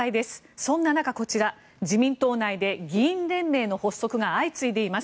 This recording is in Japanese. そんな中、こちら自民党内で議員連盟の発足が相次いでいます。